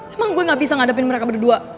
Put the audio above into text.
emang gue gak bisa ngadepin mereka berdua